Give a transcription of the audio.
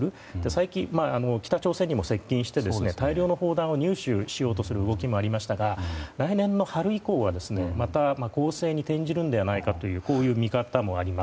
最近、北朝鮮にも接近して大量の砲弾を入手しようとする動きもありましたが、来年の春以降はまた攻勢に転じるのではないかという見方もあります。